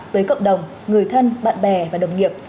tới cộng đồng người thân bạn bè và đồng nghiệp